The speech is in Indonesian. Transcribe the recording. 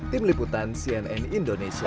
tim liputan cnn indonesia